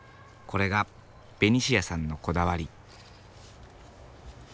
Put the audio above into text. これがベニシアさんのこだわり。